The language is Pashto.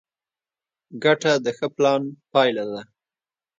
ګټه د ښه پلان پایله ده.